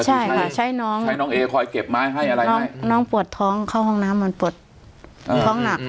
ใช่ค่ะใช้น้องใช้น้องเอคอยเก็บไม้ให้อะไรน้องปวดท้องเข้าห้องน้ำมันปวดท้องหนัก